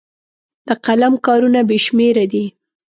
د قلم کارونه بې شمېره دي.